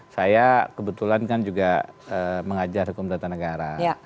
saya kebetulan kan juga mengajar hukum tata negara